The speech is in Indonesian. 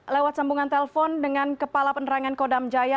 lewat sambungan telpon dengan kepala penerangan kodam jaya